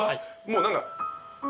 もう何か。